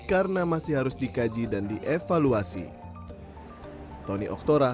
karena masih harus dikaji dan dievaluasi